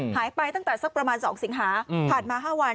หายไปตั้งแต่สักประมาณ๒สิงหาผ่านมา๕วัน